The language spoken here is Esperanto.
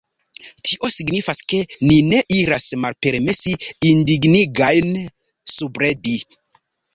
Tio signifas ke ni ne iras malpermesi indignigajn subredit.